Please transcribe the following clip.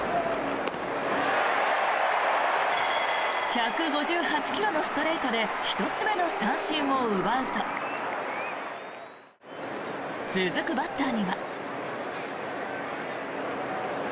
１５８ｋｍのストレートで１つ目の三振を奪うと続くバッターには。